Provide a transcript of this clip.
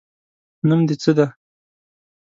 نوم د څه ده